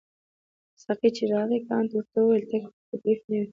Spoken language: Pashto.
ساقي چې راغی کانت ورته وویل که تکلیف نه وي.